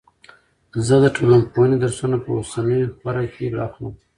زه د ټولنپوهنې درسونه په اوسنۍ خوره کې اخلم.